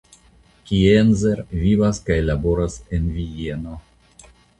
Kienzer vivas kaj laboras en Vieno.